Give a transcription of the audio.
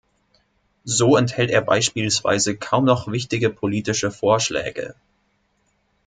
So enthält er beispielsweise kaum noch wichtige politische Vorschläge.